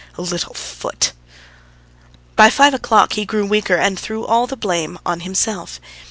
... A little foot." By five o'clock he grew weaker and threw all the blame on himself.